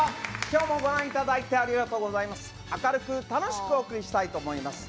今日もご覧いただいてありがとうございます明るく楽しくお送りしたいと思います